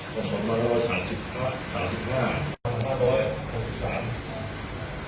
กรณีมีภูมิมารอบ๓๕ของพระมะราว